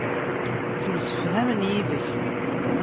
Ttemsefhamen yid-k.